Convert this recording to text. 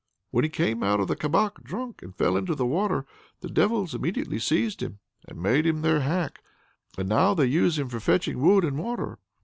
When he came out of the kabak drunk, and fell into the water, the devils immediately seized him and made him their hack, and now they use him for fetching wood and water."